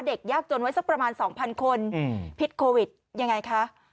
เด็กยากจนไว้สักประมาณสองพันคนอืมพิษโควิดยังไงคะ